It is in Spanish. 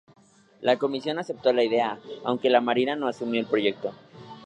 La comisión aceptó la idea, aunque la Marina no asumió el proyecto.